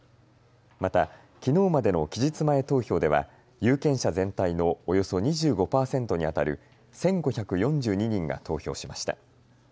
またきのうまでの期日前投票では有権者全体のおよそ２５％にあたる１５４２人が投票しました。